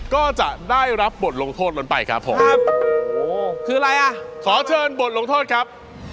ก็จะได้รับบทลงโทษล้นไปครับผมครับโอ้โหคืออะไรอ่ะขอเชิญบทลงโทษครับ